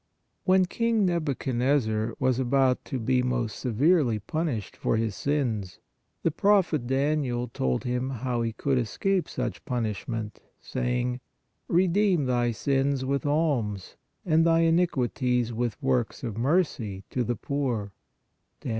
When King Nabuchodnosor was about to be most severely punished for his sins, the Prophet Daniel told him how he could escape such punishment, saying :" Redeem thy sins with alms and thy iniquities with works of mercy to the poor " (Dan.